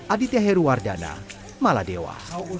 aditya heruwardana maladewa